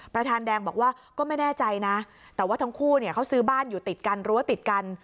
ประธานแดงบอกว่าก็ไม่แน่ใจนะแต่ว่าทั้งคู่เนี่ยเขาซื้อบ้านอยู่ติดกันรั้วติดกัน